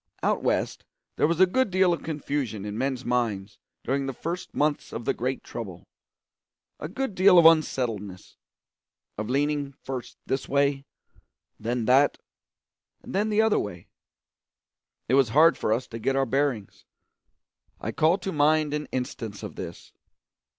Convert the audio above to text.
Out West there was a good deal of confusion in men's minds during the first months of the great trouble a good deal of unsettledness, of leaning first this way, then that, then the other way. It was hard for us to get our bearings. I call to mind an instance of this.